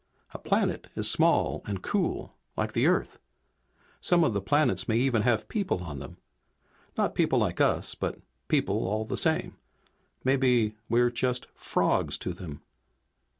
A planet is small and cool, like the Earth. Some of the planets may even have people on them. Not people like us, but people all the same. Maybe we're just frogs to them!"